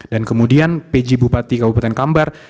dan kemudian pj bupati kabupaten kampar